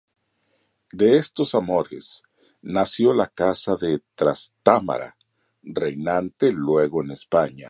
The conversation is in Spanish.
De estos amores, nació la casa de Trastámara, reinante luego en España.